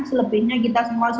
selebihnya kita semua